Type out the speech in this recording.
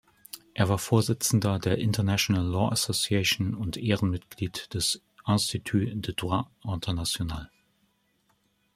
Er war Vorsitzender der "International Law Association" und Ehrenmitglied des "Institut de Droit international".